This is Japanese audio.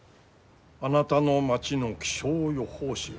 「あなたの町の気象予報士」